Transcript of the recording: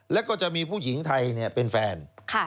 แล้วก็จะมีผู้หญิงไทยเป็นแฟน